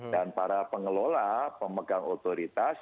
para pengelola pemegang otoritas